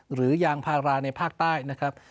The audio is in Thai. หรือยางพาราในภาคใต้นะครับ